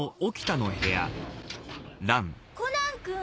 コナン君？